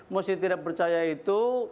musik tidak percaya itu